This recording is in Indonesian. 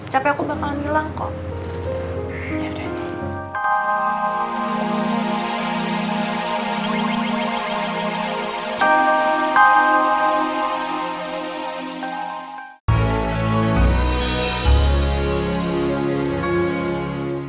capek aku bakalan hilang kok